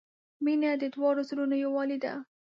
• مینه د دواړو زړونو یووالی دی.